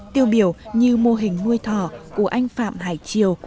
tiêu biểu như mô hình nuôi thỏ của anh phạm hải triều